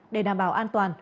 để đảm bảo an toàn